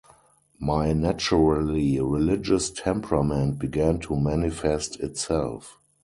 My naturally religious temperament began to manifest itself.